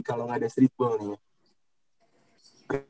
kalau gak ada streetball nih